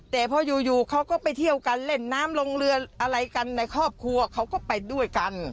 แต่พออยู่เขาก็ไปเที่ยวกันเล่นน้ำลงเรืออะไรกันในครอบครัวเขาก็ไปด้วยกัน